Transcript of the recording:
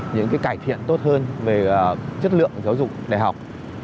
những cải thiện tốt hơn về chất lượng giáo dục đại học